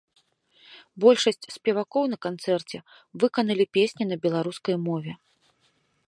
Большасць спевакоў на канцэрце выканалі песні на беларускай мове.